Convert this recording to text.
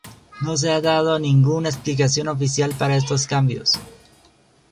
No se ha dado ninguna explicación oficial para estos cambios.